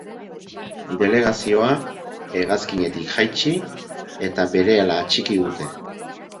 Delegazioa hegazkinetik jaitsi eta berehala atxiki dute.